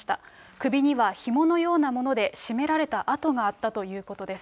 首にはひものようなもので絞められた痕があったということです。